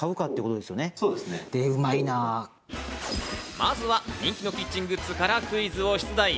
まずは人気のキッチングッズからクイズを出題。